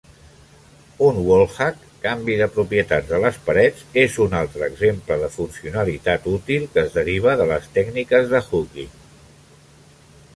Un wallhack (canvi de propietats de les parets) és un altre exemple de funcionalitat útil que es deriva de les tècniques de hooking.